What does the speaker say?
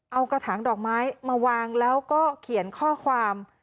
เอากระถางดอกไม้มาวางแล้วก็เขียนข้อความ